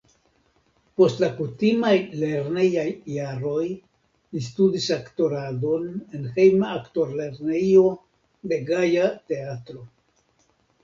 Post la kutimaj lernejaj jaroj li studis aktoradon en hejma aktorlernejo de Gaja Teatro.